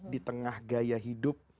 di tengah gaya hidup